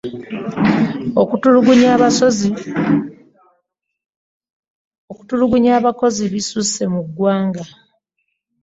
Okutulugunya abakozi bisusse mu ggwanga.